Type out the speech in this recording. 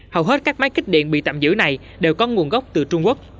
hầu hết các máy kích điện bị tạm giữ này đều có nguồn gốc từ trung quốc